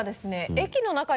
駅の中？